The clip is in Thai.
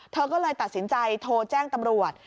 เธอก็เลยตัดสินใจโทรแจ้งตำรวจ